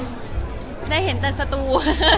ได้มาได้เห็นแต่สตู